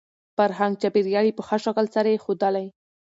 فرهنګ ،چاپېريال يې په ښه شکل سره يې ښودلى .